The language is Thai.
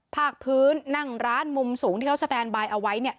ภาคพื้นนั่งร้านมุมสูงที่เขาสแตนบายเอาไว้